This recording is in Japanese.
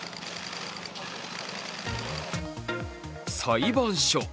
裁判所。